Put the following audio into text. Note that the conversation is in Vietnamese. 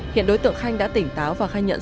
hiện đối tượng khanh đã tỉnh táo và khai nhận